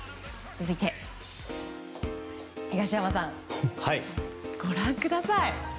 続いて、東山さんご覧ください。